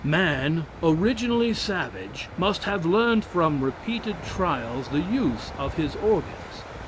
Man, originally savage, must have learned from repeated trials the use of his organs.